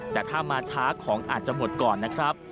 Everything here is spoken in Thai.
แต่ถ้ามาช้าของอาจจะหมดก่อนนะครับ